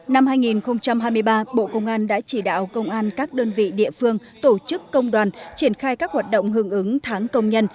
năm hai nghìn hai mươi ba bộ công an đã chỉ đạo công an các đơn vị địa phương tổ chức công đoàn triển khai các hoạt động hưởng ứng tháng công nhân